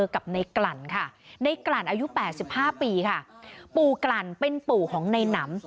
กับในกลั่นค่ะในกลั่นอายุ๘๕ปีค่ะปู่กลั่นเป็นปู่ของในหนำ